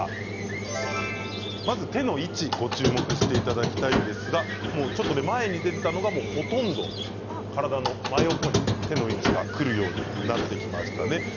手の位置にご注目いただきたいんですが前に出ていたのが、ほとんど体の真横に手の位置がくるようになってきましたね。